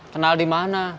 kenal di mana